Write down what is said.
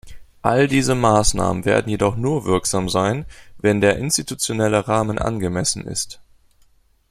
All diese Maßnahmen werden jedoch nur wirksam sein, wenn der institutionelle Rahmen angemessen ist.